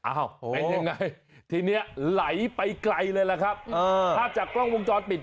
โอ้โหทีนี้ไหลไปไกลเลยล่ะครับถ้าจากกล้องวงจอดปิด